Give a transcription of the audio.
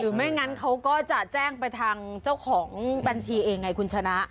ไม่งั้นเขาก็จะแจ้งไปทางเจ้าของบัญชีเองไงคุณชนะ